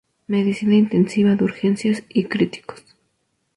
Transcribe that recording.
Medicina intensiva de urgencias y críticos.